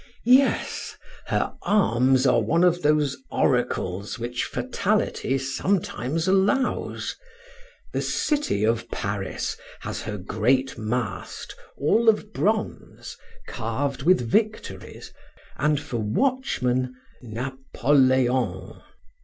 Yes, her arms are one of those oracles which fatality sometimes allows. The City of Paris has her great mast, all of bronze, carved with victories, and for watchman Napoleon.